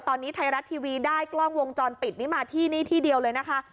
ตอนนี้ไทยรัฐทีวีได้กล้องวงจรปิดนี้มาที่นี่ที่เดียวเลยนะคะ